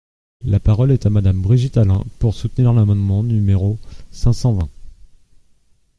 La parole est à Madame Brigitte Allain, pour soutenir l’amendement numéro cinq cent vingt.